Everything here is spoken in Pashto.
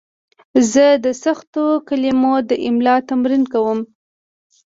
زه د سختو کلمو املا تمرین کوم.